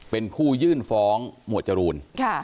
เป็นผู้ยื่นฟ้องหมวดจรูน